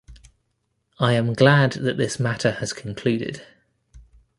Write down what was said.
I am glad that this matter has concluded.